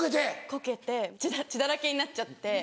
コケて血だらけになっちゃって。